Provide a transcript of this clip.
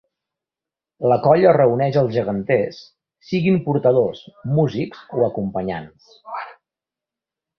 La colla reuneix els geganters, siguin portadors, músics o acompanyants.